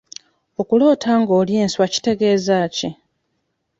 Okuloota nga olya enswa kitegeeza ki?